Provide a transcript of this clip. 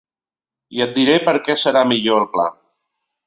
I et diré per què serà el millor pla.